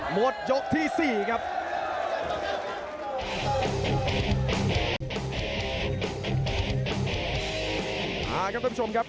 หมดยกที่๔ครับ